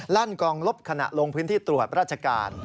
ลั่นกองลบขณะลงพื้นที่ตรวจราชการ